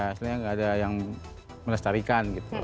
ya sebenarnya enggak ada yang melestarikan gitu